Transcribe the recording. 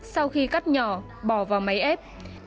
sau khi cắt nhỏ bỏ vào máy ép